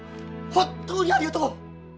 本当にありがとう！